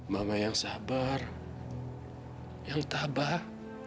mama yang sabar yang tabah